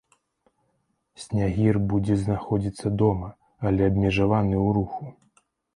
Снягір будзе знаходзіцца дома, але абмежаваны ў руху.